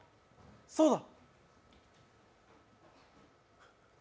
そうだ。